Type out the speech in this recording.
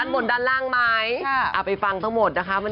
สมมติว่าขยับตัวก็เอ็กซ์แล้ว